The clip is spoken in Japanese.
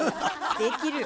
できるよ。